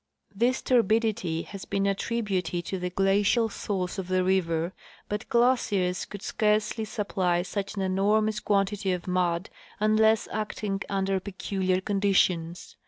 This turbidity has been attributed to the glacial source of the river, but glaciers could scarcely supply such an enormous quantity of mud unless acting under peculiar conditions.